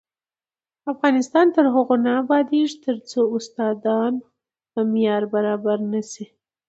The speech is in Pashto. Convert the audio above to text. افغانستان تر هغو نه ابادیږي، ترڅو استادان په معیار برابر نشي.